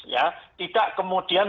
ya tidak kemudian